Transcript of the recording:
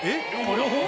両方？